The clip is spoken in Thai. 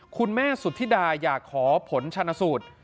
คุณแม่สุธิดาอยากขอผลชนสูตร